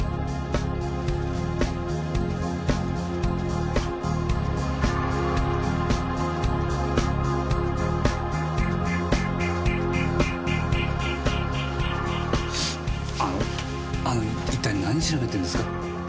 あの一体何調べてるんですか？